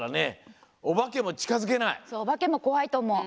おばけも怖いとおもう。